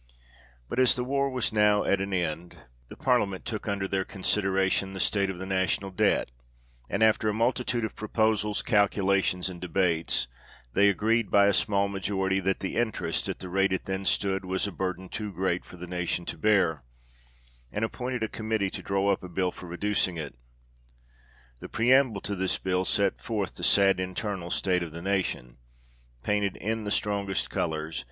But as the war was now at an end, the Parliament took under their consideration the state of the National Debt ; and, after a multitude of proposals, calculations, and debates, they agreed, by a small majority, that the interest, at the rate it then stood, was a burthen too great for the nation to bear, and appointed a committee to draw up a bill for reducing it. The preamble to this bill set forth the sad internal state of the nation painted, in the strongest colours, 32 THE REIGN OF GEORGE VI.